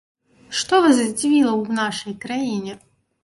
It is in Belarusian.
Што вас здзівіла ў нашай краіне?